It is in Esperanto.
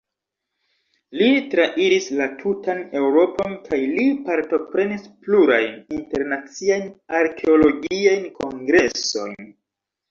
Li trairis la tutan Eŭropon kaj li partoprenis plurajn internaciajn arkeologiajn kongresojn.